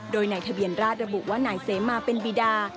โดยในทะเบียนราชระบุว่านายเสมาเป็นบิดา